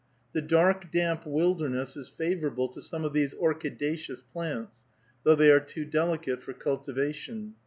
The dark, damp wilderness is favorable to some of these orchidaceous plants, though they are too delicate for cultivation.